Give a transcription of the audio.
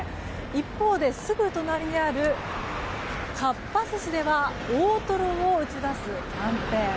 一方で、すぐ隣にあるかっぱ寿司では大とろを打ち出すキャンペーン。